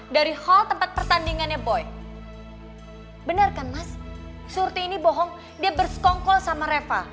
dari hal tempat pertandingannya boy bener kan mas surti ini bohong dia berskongkol sama reva